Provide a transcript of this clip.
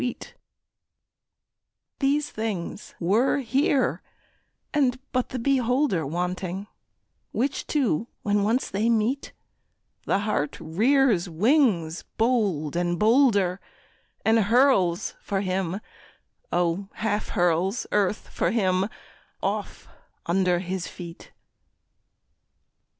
These things, these things were here and but the beholder Wanting; which two when they once meet, The heart rears wings bold and bolder And hurls for him, O half hurls earth for him off under his feet.